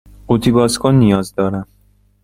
قوطی باز کن نیاز دارم.